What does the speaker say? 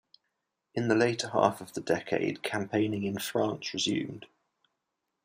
In the later half of the decade campaigning in France resumed.